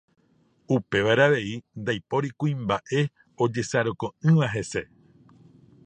upévare avei ndaipóri kuimba'e ojesareko'ỹva hese.